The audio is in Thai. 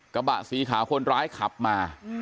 กระบะสีขาวคนร้ายขับมา